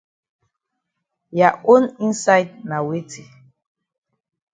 Ya own inside na weti.